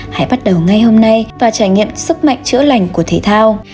hãy bắt đầu ngay hôm nay và trải nghiệm sức mạnh chữa lành của thể thao